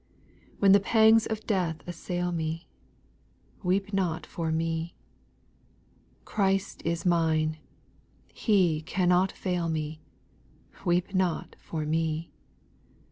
3. When the pangs of death assail me, Weep not for me : Christ is mine, — He cannot fail me, — Weep not for me.